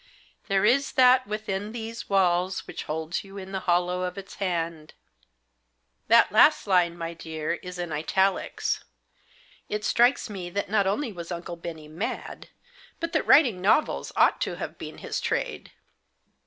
There is That within these walls which holds you in the hollow of Its hand' That last line, my dear, is in italics. It strikes me that not only was Uncle Bennie mad, but Digitized by THE BACK DOOR KEY. 71 that writing novels ought to have been his trade.